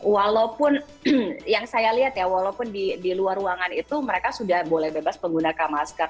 walaupun yang saya lihat ya walaupun di luar ruangan itu mereka sudah boleh bebas menggunakan masker